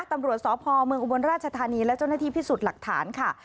ตำรวจสพเมืองอุบลราชธานีและเจ้าหน้าที่พิสูจน์หลักฐานค่ะ